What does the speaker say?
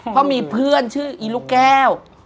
เพราะมีเพื่อนชื่ออีลูกแก้ว